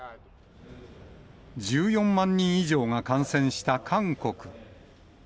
１４万人以上が感染した韓国。